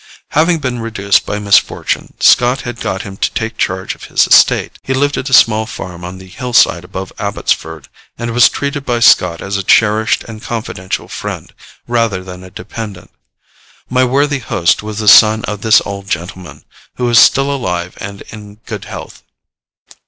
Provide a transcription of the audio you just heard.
Having been reduced by misfortune, Scott had got him to take charge of his estate. He lived at a small farm on the hillside above Abbotsford, and was treated by Scott as a cherished and confidential friend, rather than a dependant.' My worthy host was the son of this old gentleman, who is still alive and in good health.